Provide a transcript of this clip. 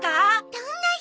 どんな人？